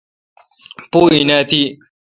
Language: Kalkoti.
پو این اؘ تی۔